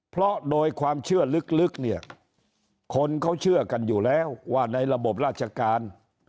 เพราะโดยความเชื่อลึกเนี่ยคนเขาเชื่อกันอยู่แล้วว่าในระบบราชการ